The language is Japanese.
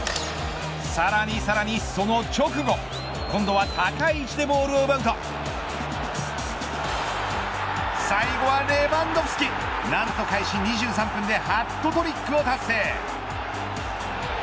さらにさらに、その直後今度は高い位置でボールを奪うと最後はレバンドフスキ何と開始２３分でハットトリックを達成。